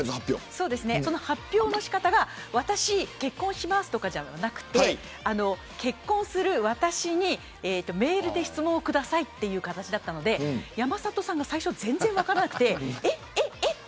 そうですね、発表の仕方が私、結婚しますとかじゃなくて結婚する私にメールで質問をくださいという形だったので山里さんが最初、全然分からずえっ、えっ、えっ、と。